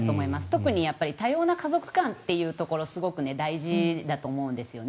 特に多様な家族観というところすごく大事だと思うんですよね。